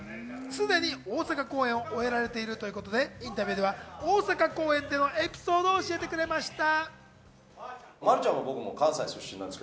すでに大阪公演を終えられているということで、インタビューでは大阪公演でのエピソードを教えてくれました。